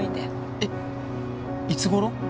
えっいつ頃？